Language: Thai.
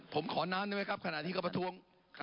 ผมขอนามได้ไหมครั้งนานที่เค้าประทวง